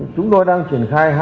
chúng tôi đang triển khai